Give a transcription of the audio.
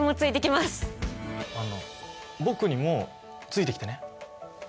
あの僕にもついてきてね。